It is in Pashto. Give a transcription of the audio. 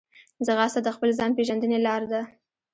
ځغاسته د خپل ځان پېژندنې لار ده